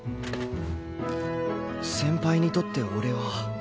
先輩にとって俺は